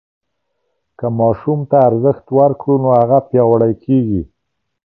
که ماشوم ته ارزښت ورکړو نو هغه پیاوړی کېږي.